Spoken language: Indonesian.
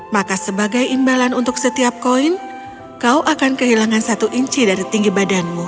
maka sebagai imbalan untuk setiap koin kau akan kehilangan satu inci dari tinggi badanmu